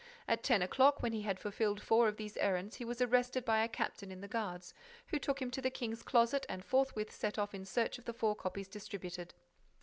At ten o'clock, when he had fulfilled four of these errands, he was arrested by a captain in the guards, who took him to the king's closet and forthwith set off in search of the four copies distributed.